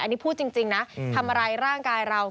อันนี้พูดจริงนะทำร้ายร่างกายเรา